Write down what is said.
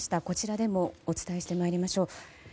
こちらでもお伝えしてまいりましょう。